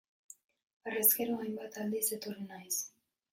Harrezkero, hainbat aldiz etorri naiz.